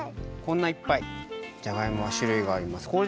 こんないっぱいじゃがいもはしゅるいがあります。